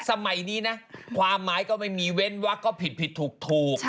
สมัยนี้นะความหมายก็ไม่มีเว้นวักก็ผิดผิดถูก